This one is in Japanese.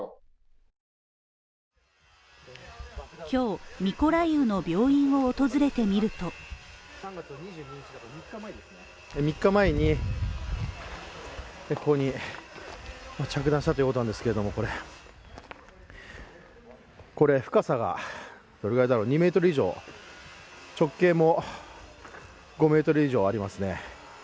今日、ミコライウの病院を訪れてみると３日前にここに着弾したということなんですけどもこれ、深さが２ｍ以上、直径も５ｍ以上ありますね。